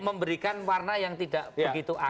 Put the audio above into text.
memberikan warna yang tidak begitu